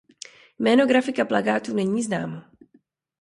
Jméno grafika plakátu není známo.